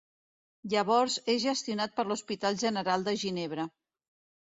Llavors és gestionat per l'Hospital general de Ginebra.